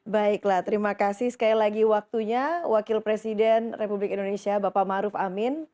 baiklah terima kasih sekali lagi waktunya wakil presiden republik indonesia bapak maruf amin